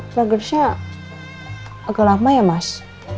progresnya agak lama ya mas